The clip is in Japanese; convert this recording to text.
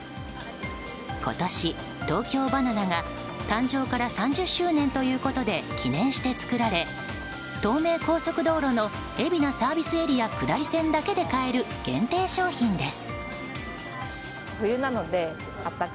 今年、東京ばな奈が誕生から３０周年ということで記念して作られ、東名高速道路の海老名ＳＡ下り線だけで買える限定商品です。